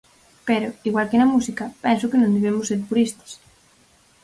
Pero, igual que na música, penso que non debemos ser puristas.